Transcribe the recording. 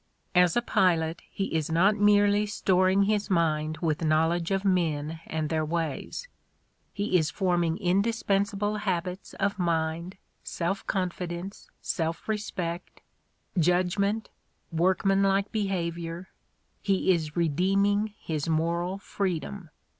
As a pilot he is not merely storing his mind with knowledge of men and their ways; he is forming indispensable habits of mind, self confidence, self respect, judgment, workmanlike behavior, he is re deeming his moral freedom.